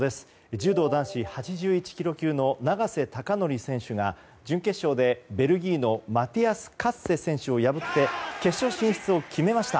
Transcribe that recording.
柔道男子８１ｋｇ級の永瀬貴規選手が準決勝でベルギーのマティアス・カッセ選手を破って決勝進出を決めました。